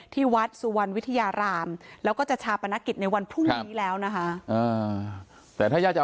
ที่วัดสุวรรณวิทยารามแล้วก็จะชาปนกิจในวันพรุ่งนี้แล้วนะคะ